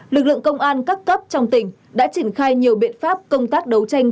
lực lượng công an các cấp trong tỉnh đã triển khai nhiều biện pháp công tác đấu tranh